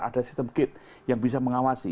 ada sistem gate yang bisa mengawasi